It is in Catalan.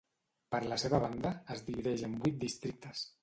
Per la seva banda, es divideix en vuit districtes.